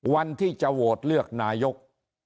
วันที่จะโหวตเลือกนายก